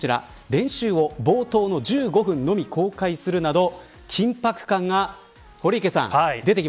練習を冒頭の１５分のみ公開するなど緊迫感が、堀池さん